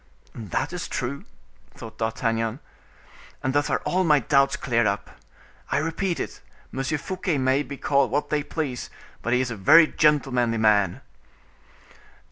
"That is true," thought D'Artagnan, "and thus are all my doubts cleared up. I repeat it, Monsieur Fouquet may be called what they please, but he is a very gentlemanly man."